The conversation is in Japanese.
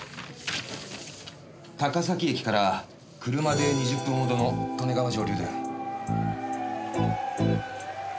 高崎駅から車で２０分ほどの利根川上流で。